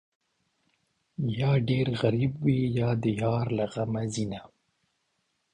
یا ډېر غریب وي، یا د یار له غمه ځینه